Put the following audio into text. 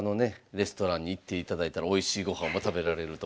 レストランに行っていただいたらおいしい御飯も食べられると思います。